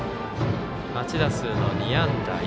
８打数の２安打。